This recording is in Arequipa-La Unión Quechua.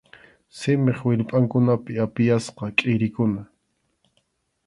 Simip wirpʼankunapi apiyasqa kʼirikuna.